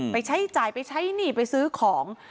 ใช้จ่ายไปใช้หนี้ไปซื้อของ